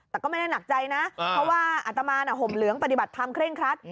แต่ก็ไม่ได้หนักใจนะเพราะว่าอัตมานห่มเหลืองปฏิบัติธรรมเคร่งครัด